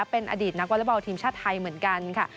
เป็นอดีตนักวอเล็กบอลทีมชาติไทยเหมือนกันค่ะ